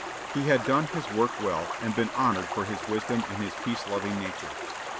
He had done his work well, and been honored for his wisdom and his peace loving nature.